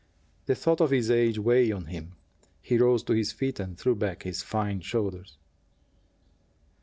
The thought of his age weighed on him. He rose to his feet and threw back his fine shoulders.